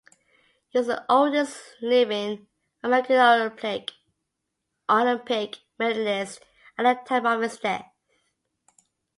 He was the oldest living American Olympic medalist at the time of his death.